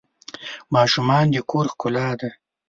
ماشومان د کور ښکلا ده.